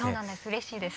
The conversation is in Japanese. うれしいです。